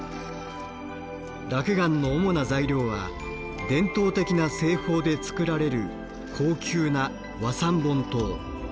落雁の主な材料は伝統的な製法で作られる高級な和三盆糖。